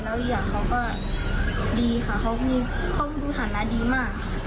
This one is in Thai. แล้วอียะเขาก็ดีค่ะเขามีภาพรูดฐานะดีมาก